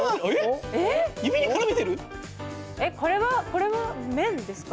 これは麺ですか？